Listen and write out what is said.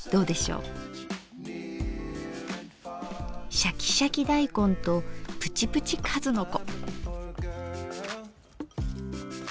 シャキシャキ大根とプチプチかずのこ。